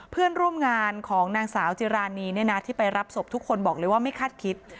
เพื่อนร่วมงานของนางสาวจิรานีเนี่ยนะที่ไปรับศพทุกคนบอกเลยว่าไม่คาดคิด